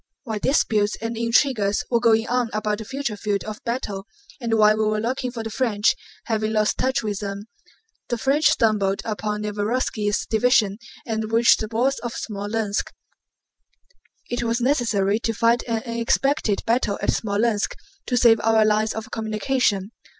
While disputes and intrigues were going on about the future field of battle, and while we were looking for the French—having lost touch with them—the French stumbled upon Nevérovski's division and reached the walls of Smolénsk. It was necessary to fight an unexpected battle at Smolénsk to save our lines of communication.